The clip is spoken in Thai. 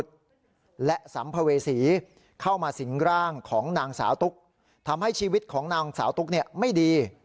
ทำให้ชีวิตของหนังสาวตุ๊กไม่ดี